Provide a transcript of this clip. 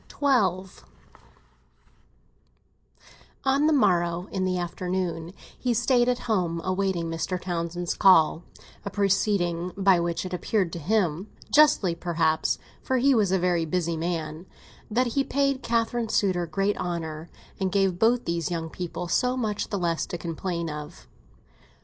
XII ON the morrow, in the afternoon, he stayed at home, awaiting Mr. Townsend's call—a proceeding by which it appeared to him (justly perhaps, for he was a very busy man) that he paid Catherine's suitor great honour, and gave both these young people so much the less to complain of.